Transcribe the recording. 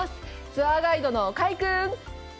ツアーガイドの快くん。